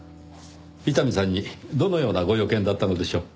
伊丹さんにどのようなご用件だったのでしょう？